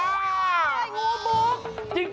เฮ้ยงูบุก